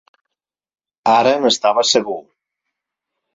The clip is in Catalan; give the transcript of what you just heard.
Ara n'estava segur.